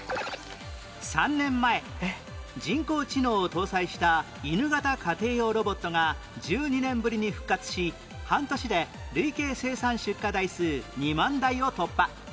３年前人工知能を搭載した犬型家庭用ロボットが１２年ぶりに復活し半年で累計生産出荷台数２万台を突破